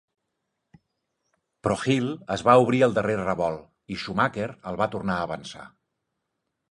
Però Hill es va obrir al darrer revolt i Schumacher el va tornar avançar.